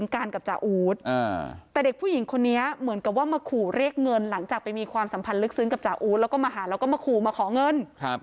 ขอเรียกเงินหลังจากไปมีความสัมพันธ์ลึกซึ้งกับจ่าอูตแล้วก็มาหาแล้วก็มาขอเงิน